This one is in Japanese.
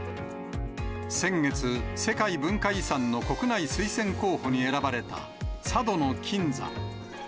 先月、世界文化遺産の国内推薦候補に選ばれた佐渡島の金山。